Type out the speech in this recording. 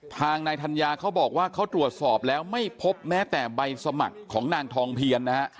ทางนายธัญญาเขาบอกว่าเขาตรวจสอบแล้วไม่พบแม้แต่ใบสมัครของนางทองเพียรนะฮะ